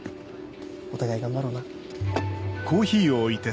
お互い頑張ろうな。